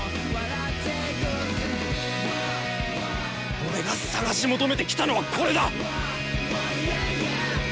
俺が探し求めてきたのはこれだ！